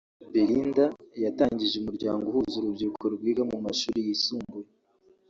Belinda yatangije umuryango uhuza urubyiruko rwiga mu mashuli yisumbuye